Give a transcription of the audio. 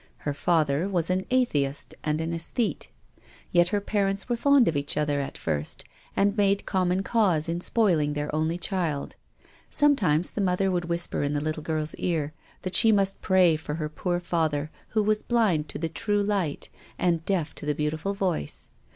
Her father was»an atheist and an aesthete. Yet her parents were fond of each other at first and made com mon cause in spoiling their only child. Some times the mother would whisper in the little girl's ear that she must pray for poor father who was blind to the true light and deaf to the beau tiful voice.